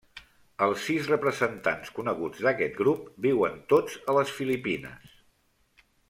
Els sis representants coneguts d'aquest grup viuen tots a les Filipines.